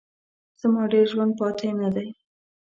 زما ډېر ژوند پاته نه دی.